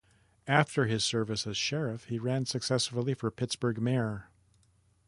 After his service as Sheriff he ran successfully for Pittsburgh mayor.